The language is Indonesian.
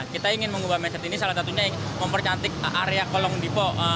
kita ingin mengubah macet ini salah satunya mempercantik area kolong depo